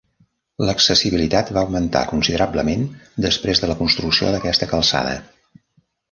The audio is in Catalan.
L'accessibilitat va augmentar considerablement després de la construcció d'aquesta calçada.